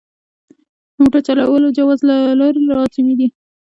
د موټر چلولو جواز لرل لازمي دي.